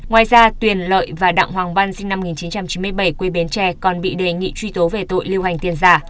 ngoài ra tuyền lợi và đặng hoàng văn sinh năm một nghìn chín trăm chín mươi bảy quê bến tre còn bị đề nghị truy tố về tội lưu hành tiền giả